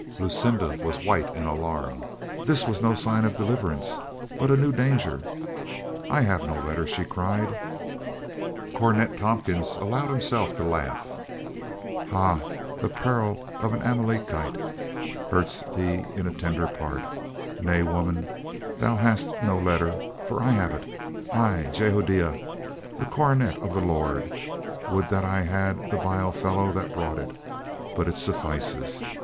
Lucinda was white in alarm. This was no sign of deliverance, but a new danger. "I have had no letter!" she cried. Cornet Tompkins allowed himself to laugh. "Ha, the peril of the Amalekite hurts thee in a tender part. Nay, woman, thou hast no letter, for I have it — I, Jehoiada, the cornet of the Lord. Would that I had the vile fellow that brought it. But it suffices.